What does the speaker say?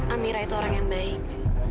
amira itu orang yang baik